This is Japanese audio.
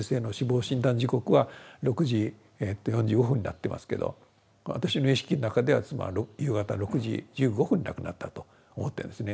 時刻は６時４５分になってますけど私の意識の中では妻は夕方６時１５分に亡くなったと思ってるんですね。